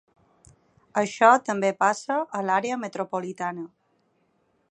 Això també passa a l’àrea metropolitana.